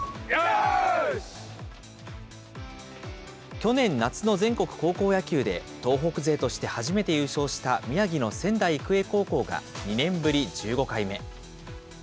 去年夏の全国高校野球で東北勢として初めて優勝した宮城の仙台育英高校が２年ぶり１５回目。